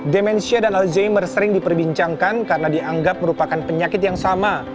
demensia dan alzheimer sering diperbincangkan karena dianggap merupakan penyakit yang sama